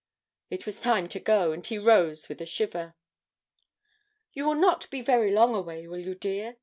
It was time to go, and he rose with a shiver. 'You will not be very long away, will you, dear?'